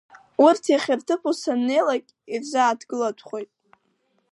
Урҭ иахьырҭыԥу саннеилак ирзааҭгылатәхоит.